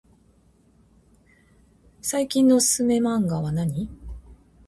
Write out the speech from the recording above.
最近のおすすめマンガはなに？